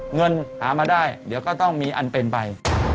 เงินหามาได้เดี๋ยวก็ต้องมีอันเป็นไป